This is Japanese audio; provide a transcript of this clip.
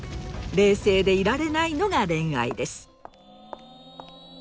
冷静でいられないのが恋愛です。